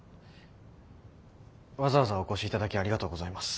わざわざお越しいただきありがとうございます。